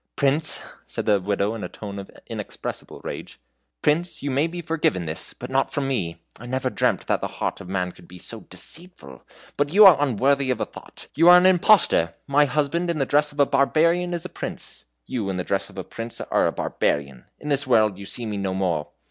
"Prince," said the Widow, in a tone of inexpressible rage, "Prince, you may be forgiven this, but not from me! I never dreamt that the heart of man could be so deceitful, but you are unworthy of a thought. You are an impostor! My husband in the dress of a barbarian is a prince; you in the dress of a prince are a barbarian. In this world you see me no more!"